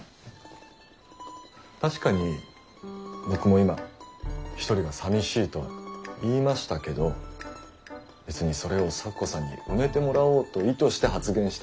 確かに僕も今一人が寂しいとは言いましたけど別にそれを咲子さんに埋めてもらおうと意図して発言したわけでは。